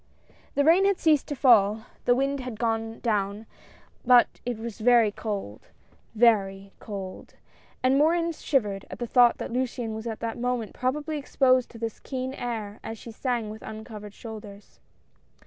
180 A SURPRISE. The rain had ceased to fall — the wind had gone down, but it was cold, — very cold — and Morin shivered at the thought that Luciane was at that moment probably exposed to this keen air, as she sang with uncovered shoulders.